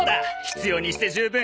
必要にして十分。